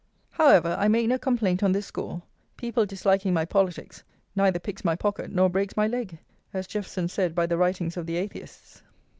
However, I make no complaint on this score. People disliking my politics "neither picks my pocket, nor breaks my leg," as JEFFERSON said by the writings of the Atheists.